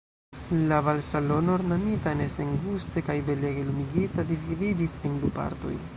La balsalono, ornamita ne senguste, kaj belege lumigita, dividiĝis en du partoj.